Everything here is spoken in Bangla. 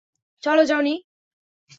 চলো, জনি।